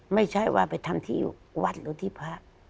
ไม่ใช่ว่าไปทำที่อยู่วัดหรือที่พระ